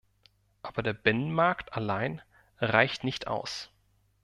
Aber der Binnenmarkt allein reicht nicht aus.